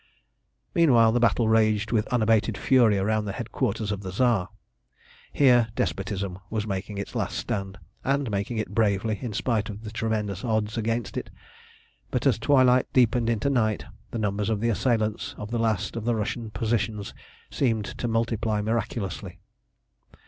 Meanwhile the battle raged with unabated fury round the headquarters of the Tsar. Here despotism was making its last stand, and making it bravely, in spite of the tremendous odds against it. But as twilight deepened into night the numbers of the assailants of the last of the Russian positions seemed to multiply miraculously.